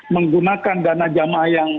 menggunakan dana jamaah yang